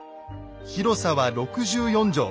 広さは６４畳。